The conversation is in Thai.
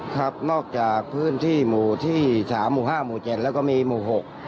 ครับนอกจากพื้นที่หมู่ที่๓หมู่๕หมู่๗แล้วก็มีหมู่๖